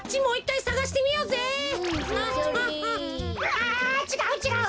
あちがうちがう